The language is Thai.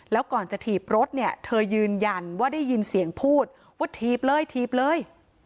แล้วก่อนจะถีบรถเนี่ยเธอยืนยันว่าได้ยินเสียงพูดว่าถีบเลยถีบเลย